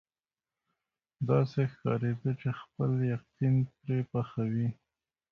داسې ښکارېده چې خپل یقین پرې پخوي.